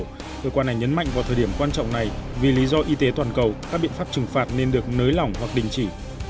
trong đó cơ quan này nhấn mạnh vào thời điểm quan trọng này vì lý do y tế toàn cầu các biện pháp trừng phạt nên được nới lỏng hoặc đình chỉ